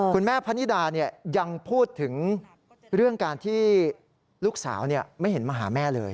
พะนิดายังพูดถึงเรื่องการที่ลูกสาวไม่เห็นมาหาแม่เลย